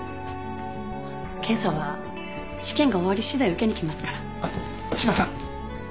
検査は試験が終わりしだい受けに来ますから。